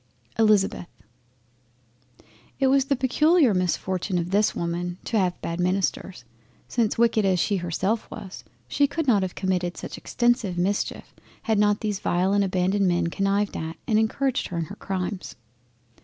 —— ELIZABETH It was the peculiar misfortune of this Woman to have bad Ministers—Since wicked as she herself was, she could not have committed such extensive mischeif, had not these vile and abandoned Men connived at, and encouraged her in her Crimes.